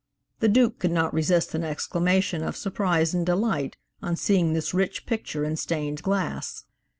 The Duke could not resist an exclamation of surprise and delight on seeing this rich picture in stained glass.